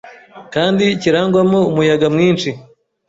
kandi kirangwamo umuyaga mwinshi,